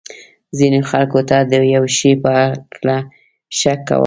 ځینو خلکو ته د یو شي په هکله شک کول.